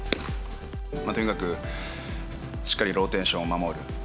とにかくしっかりローテーションを守る。